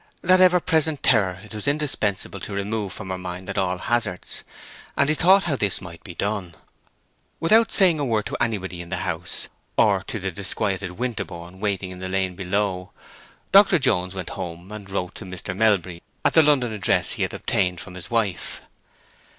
That ever present terror it was indispensable to remove from her mind at all hazards; and he thought how this might be done. Without saying a word to anybody in the house, or to the disquieted Winterborne waiting in the lane below, Dr. Jones went home and wrote to Mr. Melbury at the London address he had obtained from his wife.